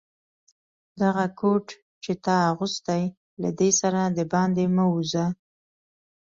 دغه کوټ چي تا اغوستی، له دې سره دباندي مه وزه.